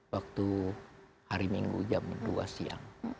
waktu hari minggu jam dua siang